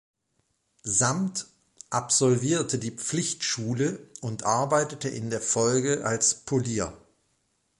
Sampt absolvierte die Pflichtschule und arbeitete in der Folge als Polier.